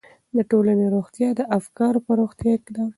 د ټولنې روغتیا د افکارو په روغتیا ده.